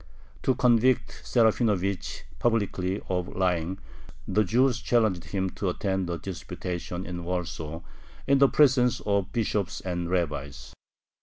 To convict Serafinovich publicly of lying, the Jews challenged him to attend a disputation in Warsaw in the presence of bishops and rabbis.